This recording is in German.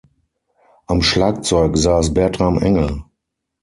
Am Schlagzeug saß Bertram Engel.